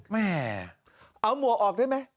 แม่เอาหมวกออกได้ไหม